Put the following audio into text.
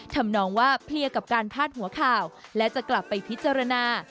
ทำนองว่าเพลียกับการพาดหัวข่าวและจะกลับไปพิจารณา